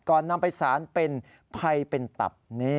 ก่อนนำไปสานเป็นไพเป็นตับ